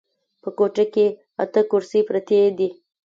په کوټه کې اته کرسۍ پرتې دي.